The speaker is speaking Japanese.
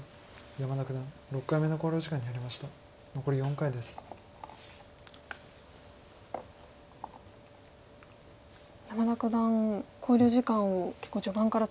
山田九段考慮時間を結構序盤から使われてますね。